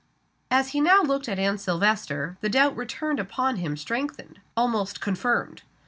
As he now looked at Anne Silvester, the doubt returned upon him strengthened almost confirmed.